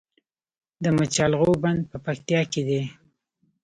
د مچالغو بند په پکتیا کې دی